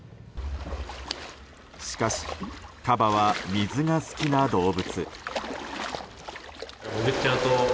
しかし、カバは水が好きな動物。